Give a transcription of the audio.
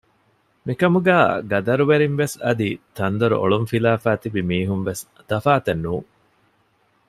މިކަމުގައި ގަދަރުވެރިން ވެސް އަދި ތަންދޮރު އޮޅުން ފިލާފައި ތިބޭ މީހުން ވެސް ތަފާތެއް ނޫން